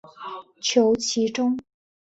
求其中